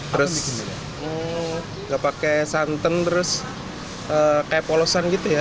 terus nggak pakai santan terus kayak polosan gitu ya